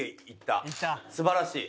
素晴らしい。